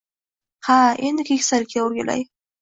Ha, endi keksalik-da, o‘rgilay.